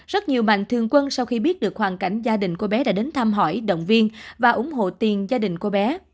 rất nhiều mạnh thường quân sau khi biết được hoàn cảnh gia đình cô bé đã đến thăm hỏi động viên và ủng hộ tiền gia đình cô bé